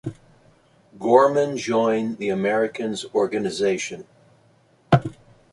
Gorman joined the Americans' organization.